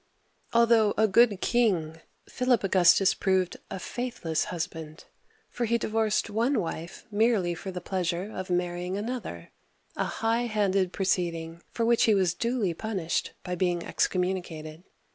Although a good king, Philip Augustus proved a faith less husband, for he divorced one wife merely for the pleasure of marrying another, a high handed proceeding for which he was duly punished by being excommunicated.